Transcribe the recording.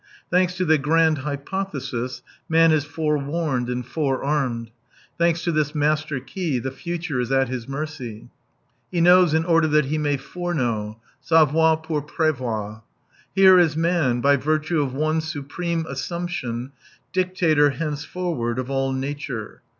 Thanks to the grand hypo thesis, man is forewarned and forearmed. Thanks to this master key^ the future is at his mercy. He knows, in order that he may foreknow : savoir pour prSvoir. Here, is man, by virtue of one supreme assump tion, dictator henceforward' of all nature.